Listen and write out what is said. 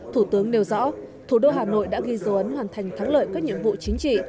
thủ tướng nêu rõ thủ đô hà nội đã ghi dấu ấn hoàn thành thắng lợi các nhiệm vụ chính trị